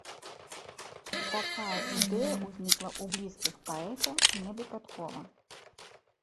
Такая ідэя ўзнікла ў блізкіх паэта не выпадкова.